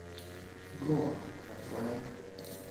Go on, my friend.